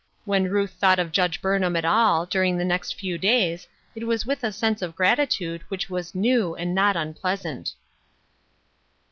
When Ruth thought of Judge Burnham at all, during the next few days, it was with a sense of gratitude, which was new, and not unpleasant.